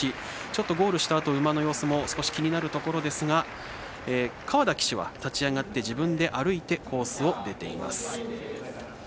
ちょっとゴールしたあと馬の様子も少し気になるところですが川田騎手は自分で立ち上がって歩いてコースを出ています。